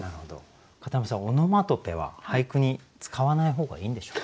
片山さんオノマトペは俳句に使わない方がいいんでしょうか？